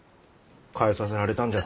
変えさせられたんじゃろ。